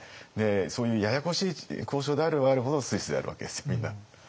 そういうややこしい交渉であればあるほどスイスでやるわけですよみんな。